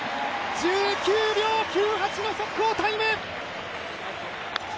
１９秒９８の速報タイム！